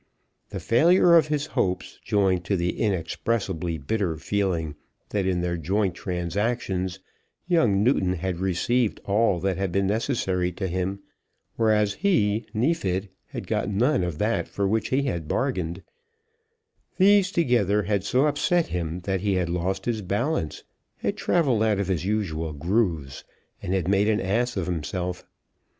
The failure of his hopes, joined to the inexpressibly bitter feeling that in their joint transactions young Newton had received all that had been necessary to him, whereas he, Neefit, had got none of that for which he had bargained, these together had so upset him that he had lost his balance, had travelled out of his usual grooves, and had made an ass of himself.